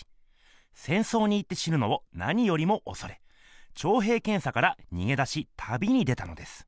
戦争に行って死ぬのをなによりもおそれ徴兵検査からにげ出し旅に出たのです。